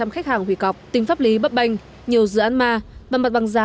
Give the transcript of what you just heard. hai mươi khách hàng hủy cọc tính pháp lý bấp banh nhiều dự án ma và mặt bằng giá